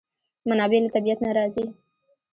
منابع له طبیعت نه راځي.